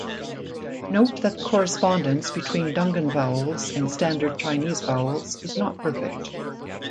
Note that the correspondence between Dungan vowels and Standard Chinese vowels is not perfect.